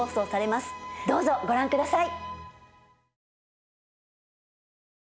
どうぞご覧ください！